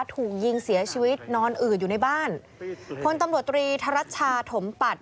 ถูกยิงเสียชีวิตนอนอืดอยู่ในบ้านพลตำรวจตรีธรัชชาถมปัด